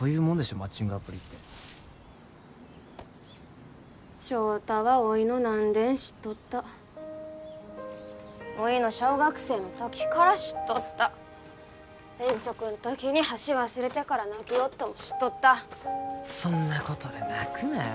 マッチングアプリって翔太はおいの何でん知っとったおいの小学生の時から知っとった遠足ん時に箸忘れてから泣きよっとも知っとったそんなことで泣くなよ